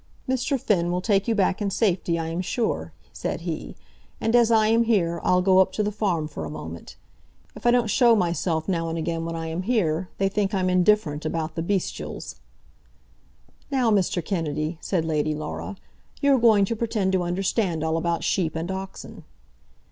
"Mr. Finn will take you back in safety, I am sure," said he, "and, as I am here, I'll go up to the farm for a moment. If I don't show myself now and again when I am here, they think I'm indifferent about the 'bestials'." "Now, Mr. Kennedy," said Lady Laura, "you are going to pretend to understand all about sheep and oxen."